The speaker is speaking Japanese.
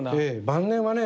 晩年はね